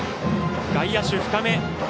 外野手、深め。